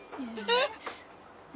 えっ！？